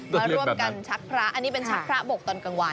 มาร่วมกันชักพระอันนี้เป็นชักพระบกตอนกลางวัน